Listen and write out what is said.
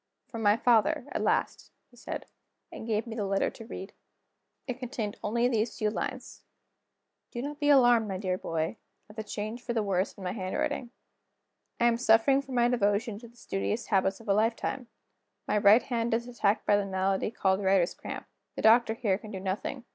"From my father, at last," he said and gave me the letter to read. It only contained these few lines: "Do not be alarmed, my dear boy, at the change for the worse in my handwriting. I am suffering for my devotion to the studious habits of a lifetime: my right hand is attacked by the malady called Writer's Cramp. The doctor here can do nothing.